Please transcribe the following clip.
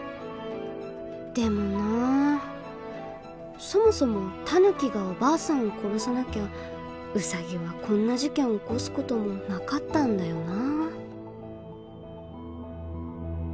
でもなそもそもタヌキがおばあさんを殺さなきゃウサギはこんな事件を起こす事もなかったんだよな。